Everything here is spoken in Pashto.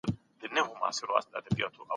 د یو بل ملاتړ ټولنه پیاوړې کوي.